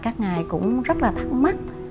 các ngài cũng rất là thắc mắc